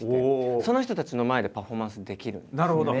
その人たちの前でパフォーマンスできるんですね。